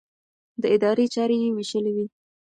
د ادارې چارې يې وېشلې وې.